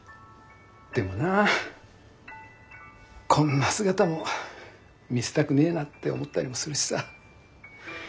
こんな姿も見せたくねえなって思ったりもするしさ。